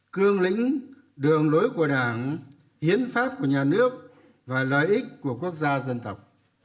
cương lĩnh đường lối của đảng hiến pháp của nhà nước và lợi ích của quốc gia dân tộc